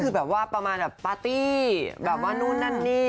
คือแบบว่าประมาณแบบปาร์ตี้แบบว่านู่นนั่นนี่